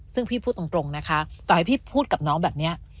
ซึ่งพี่พูดตรงนะคะต่อให้พี่พูดกับน้องแบบนี้